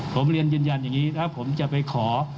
ผมเรียนยืนยันอย่างนี้ถ้าผมจะไปขอ